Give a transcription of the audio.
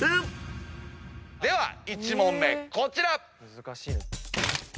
では１問目こちら。